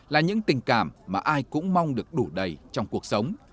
là những tình cảm mà ai cũng mong được đủ đầy trong cuộc sống